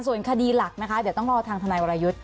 ส่วนคดีหลักนะคะเดี๋ยวต้องรอทางธนายวรยุทธ์